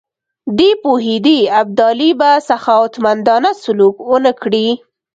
دی پوهېدی ابدالي به سخاوتمندانه سلوک ونه کړي.